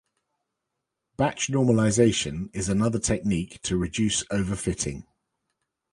Batch normalisation is another technique to reduce overfitting.